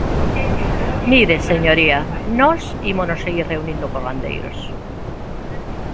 Mire, señoría, nós ímonos seguir reunindo cos gandeiros.